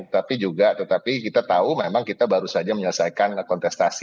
tapi juga tetapi kita tahu memang kita baru saja menyelesaikan kontestasi